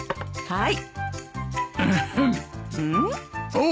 はい。